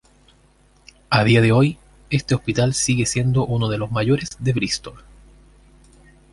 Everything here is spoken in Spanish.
A día de hoy, este hospital sigue siendo uno de los mayores de Bristol.